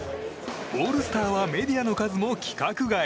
オールスターは選手の数も規格外。